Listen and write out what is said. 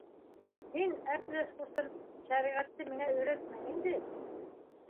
— Һин, Әпләс ҡустым, шәриғәтте миңә өйрәтмә инде.